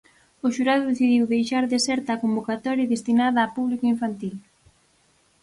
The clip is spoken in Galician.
O xurado decidiu deixar deserta a convocatoria destinada a público infantil.